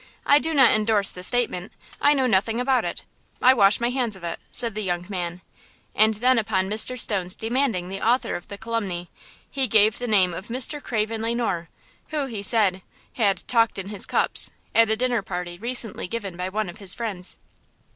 "I do not endorse the statement–I know nothing about it! I wash my hands of it," said the young man. And then upon Mr. Stone's demanding the author of the calumny, he gave the name of Mr. Craven Le Noir, who, he said, had "talked in his cups," at a dinner party recently given by one of his friends.